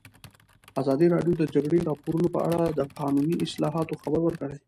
ازادي راډیو د د جګړې راپورونه په اړه د قانوني اصلاحاتو خبر ورکړی.